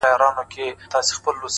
گراني خبري سوې د وخت ملكې ؛